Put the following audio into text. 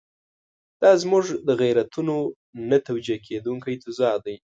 دا زموږ د غیرتونو نه توجیه کېدونکی تضاد دی.